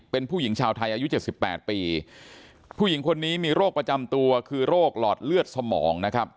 เป็นผู้หญิงชาวไทยอายุเจ็ดสิบแปดปีผู้หญิงคนนี้มีโรคประจำตัวคือโรคหลอดเลือดสมองนะครับ